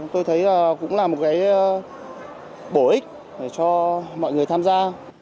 tôi thấy cũng là một cái bổ ích cho mọi người tham gia